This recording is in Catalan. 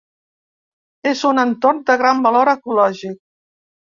És un entorn de gran valor ecològic.